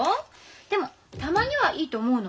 でもたまにはいいと思うの。